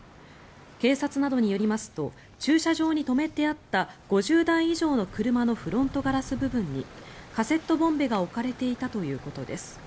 警察などによりますと駐車場に止めてあった５０台以上の車のフロントガラス部分にカセットボンベが置かれていたということです。